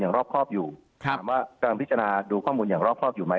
รอบครอบอยู่ถามว่ากำลังพิจารณาดูข้อมูลอย่างรอบครอบอยู่ไหม